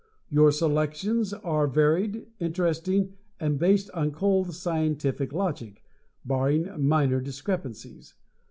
Your selections are varied, interesting and based on cold, scientific logic, barring minor discrepancies.